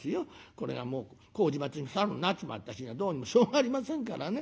これがもう麹町のサルになっちまった日にはどうにもしょうがありませんからね。